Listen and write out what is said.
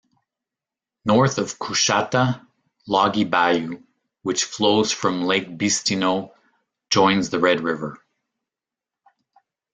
North of Coushatta, Loggy Bayou, which flows from Lake Bistineau, joins the Red River.